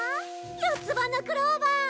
四つ葉のクローバー！